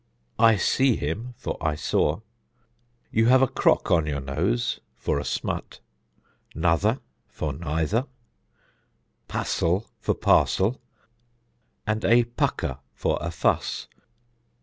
'I see him,' for 'I saw.' 'You have a crock on your nose,' for a smut; nuther for neither; pȧssel for parcel, and a pucker for a fuss.